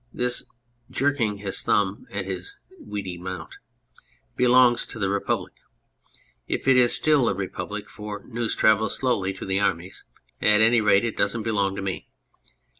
This (jerking his thumb at his weedy mount] belongs to the Republic if it is still a Republic, for news travels slowly to the armies. At any rate, it doesn't belong to me.